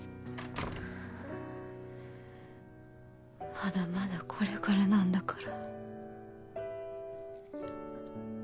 まだまだこれからなんだから。